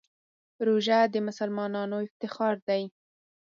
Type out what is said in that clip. روژه د مسلمانانو افتخار دی.